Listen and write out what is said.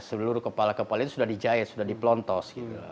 seluruh kepala kepala itu sudah dijahit sudah dipelontos